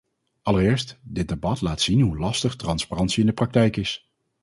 Allereerst, dit debat laat zien hoe lastig transparantie in de praktijk is.